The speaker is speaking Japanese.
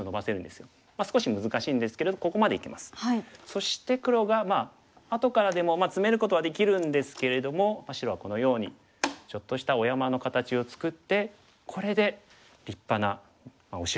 そして黒が後からでもツメることはできるんですけれども白はこのようにちょっとしたお山の形を作ってこれで立派なお城ができましたね。